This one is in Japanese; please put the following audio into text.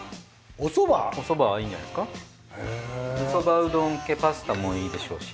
おそばうどんパスタもいいでしょうし。